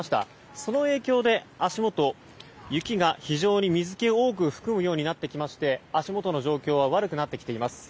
その影響で、足元雪が非常に水気を多く含むようになってきまして足元の状況は悪くなってきています。